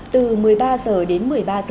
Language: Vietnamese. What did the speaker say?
từ một mươi ba h đến một mươi ba h ba mươi